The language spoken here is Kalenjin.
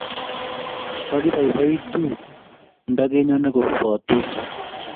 Tagipoipoitu nda kenyone kopo tech.